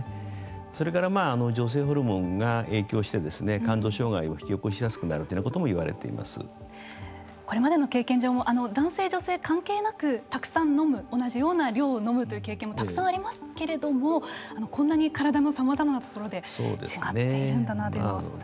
それから女性ホルモンが影響して肝臓障害を引き起こしやすくなるということもこれまでの経験上も男性女性関係なくたくさん飲む同じように飲むという経験もたくさんありますけれどもこんなに体のさまざまなところで違っているんだなというのが。